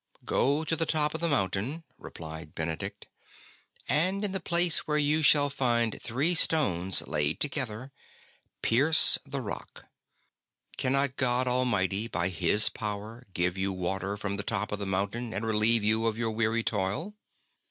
*' Go to the top of the mountain,'' replied Benedict, '' and in the place where you shall find three stones laid together, pierce the rock. Cannot God Almighty by His power give you water from the top of the mountain and relieve you of your weary toil